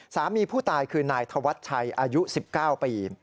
สามีผู้ตายคือนายธวัชชัยอายุ๑๙ปี